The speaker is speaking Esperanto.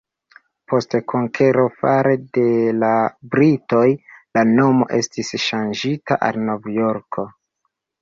Post konkero fare de la britoj la nomo estis ŝanĝita al Novjorko.